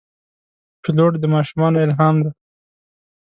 پیلوټ د ماشومانو الهام دی.